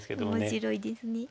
面白いですね。